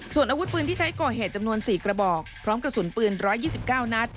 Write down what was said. ส่วนอาวุธปืนที่ใช้ก่อเหตุจำนวน๔กระบอกพร้อมกระสุนปืน๑๒๙นัด